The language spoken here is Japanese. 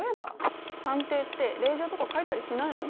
探偵って令状とか書いたりしないの？